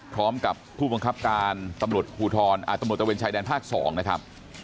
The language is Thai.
พร้อมกับผู้บังคับการตำรวจภูทรตำรวจตะเวนชายแดนภาค๒นะครับ